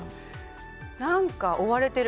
何か追われてる。